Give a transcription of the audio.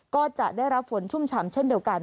ก็จะได้รับฝนชุ่มฉ่ำเช่นเดียวกัน